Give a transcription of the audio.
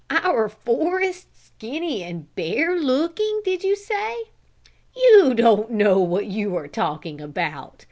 "Our forests skinny and bare looking, did you say? You don't know what you are talking about.